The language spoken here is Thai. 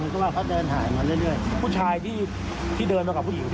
แล้วเขาก็มีผู้ชายผู้หญิงเขาเดินทะเลาะกับผู้หญิง